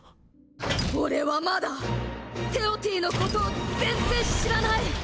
俺はまだテオティのことを全然知らない。